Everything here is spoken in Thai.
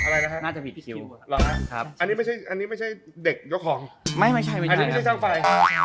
อันนี้ไม่ใช่เด็กเยาะของอันนี้ไม่ใช่ช่างไฟ